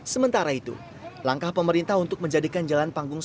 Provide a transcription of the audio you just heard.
sementara itu langkah pemerintah untuk menjadikan jalan panggung